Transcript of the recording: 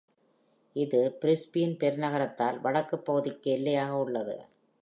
இது பிரிஸ்பின் பெருநகரத்தால் வடக்கு பகுதிக்கு எல்லையாக உள்ளது.